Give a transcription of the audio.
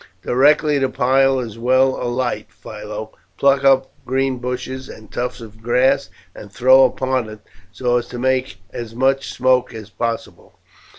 "Directly the pile is well alight, Philo, pluck up green bushes and tufts of grass and throw upon it, so as to make as much smoke as possible."